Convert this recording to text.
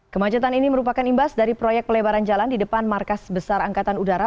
kemacetan ini merupakan imbas dari proyek pelebaran jalan di depan markas besar angkatan udara